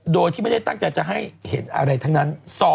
โดยที่ไม่ได้ตั้งใจจะให้เห็นอะไรทั้งนั้น